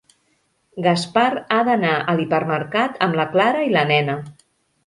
Gaspar ha d'anar a l'hipermercat amb la Clara i la nena.